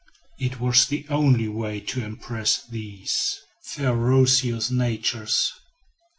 It was the only way to impress these ferocious natures.